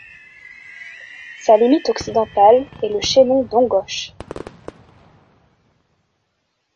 Sa limite occidentale est le chaînon d'Ongoch.